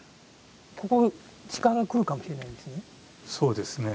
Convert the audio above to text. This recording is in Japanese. ここシカが来るかもしれないですね。